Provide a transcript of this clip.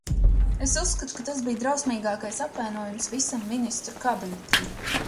Es uzskatu, ka tas bija drausmīgākais apvainojums visam Ministru kabinetam.